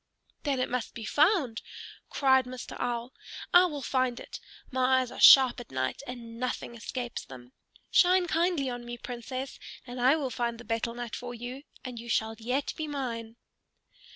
"Then it must be found!" cried Mr. Owl. "I will find it. My eyes are sharp at night and nothing escapes them. Shine kindly on me, Princess, and I will find the betel nut for you, and you shall yet be mine."